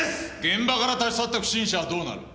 現場から立ち去った不審者はどうなる？